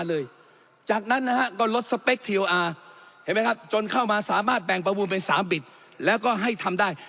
เห็นไหมครับจนเข้ามาสามารถแบ่งประวูลเป็น๓บิตแล้วก็ให้ทำได้